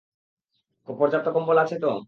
পর্যাপ্ত কম্বল আছে তো?